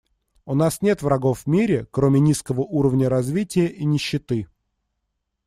У нас нет врагов в мире, кроме низкого уровня развития и нищеты.